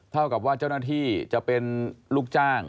เท่ากับว่าเจ้าหน้าที่จะเป็นลูกจ้าง